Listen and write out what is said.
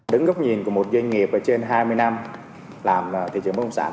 đứng góc nhìn của một doanh nghiệp ở trên hai mươi năm làm thị trường bất công sản